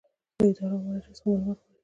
له ادارو او مراجعو څخه معلومات غواړي.